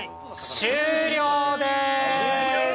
終了です！